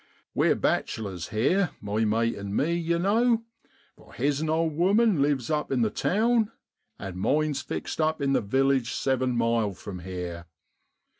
We're bachelors here, my mate an' me, you know, for his'n old woman lives up in the town, and mine's fixed up in the \ 7 illage seven mile from here.